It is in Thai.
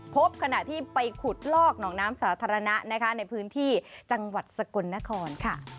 พบขณะที่ไปขุดลอกหนองน้ำสาธารณะนะคะในพื้นที่จังหวัดสกลนครค่ะ